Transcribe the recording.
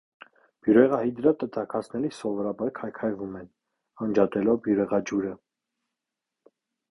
Բյուրեղահիդրատը տաքացնելիս սովորաբար քայքայվում են՝ անջատելով բյուրեղաջուրը։